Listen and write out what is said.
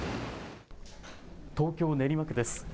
東京練馬区です。